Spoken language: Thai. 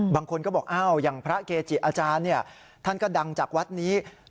บางคนก็บอกอย่างพระเกจิอาจารย์ท่านก็ดังจากวัดนี้